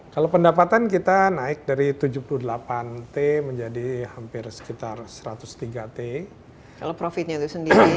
kalau pendapatan kita naik dari tujuh puluh delapan t menjadi hampir sekitar satu ratus tiga t kalau profitnya itu sendiri